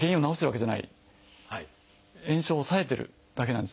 炎症を抑えてるだけなんです。